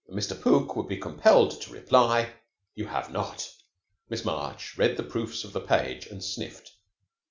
And Mr. Pook would be compelled to reply, "You have not." Miss March read the proofs of the page, and sniffed.